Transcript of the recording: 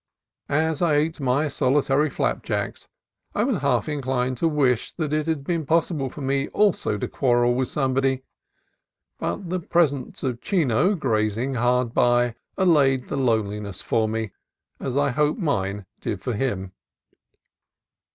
As I ate my solitary flapjacks I was half inclined to wish that it had been possible for me also to quarrel with somebody; but the presence of Chino, grazing hard by, allayed the loneliness for me, as I hope mine did for him.